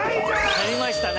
やりましたね